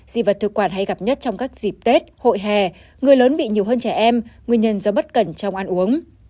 dị vật thực quản hay gặp nhất trong các dịp tết hội hè người lớn bị nhiều hơn trẻ em nguyên nhân do bất cẩn trong ăn uống